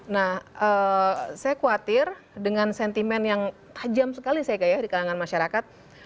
nah saya khawatir dengan sentimen yang tajam sekali saya gaya di kalangan masyarakat